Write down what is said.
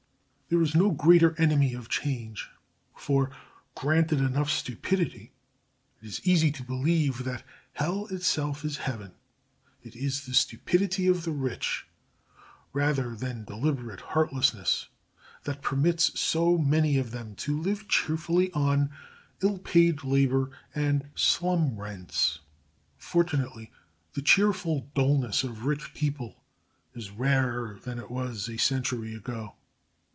There is no greater enemy of change. For, granted enough stupidity, it is easy to believe that Hell itself is Heaven. It is the stupidity of the rich, rather than deliberate heartlessness, that permits so many of them to live cheerfully on ill paid labour and slum rents. Fortunately the cheerful dullness of rich people is rarer than it was a century ago.